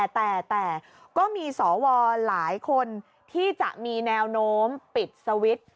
แต่ก็มีสวหลายคนที่จะมีแนวโน้มปิดสวิตช์